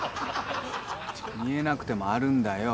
見えなくてもあるんだよ